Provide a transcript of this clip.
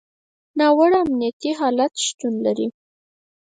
ناوړه امنیتي حالت شتون لري.